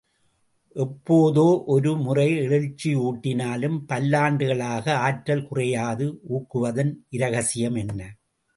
எப்போதோ ஒரு முறை எழுச்சியூட்டினாலும் பல்லாண்டுகளாக ஆற்றல் குறையாது ஊக்குவதன் இரகசியம் என்ன?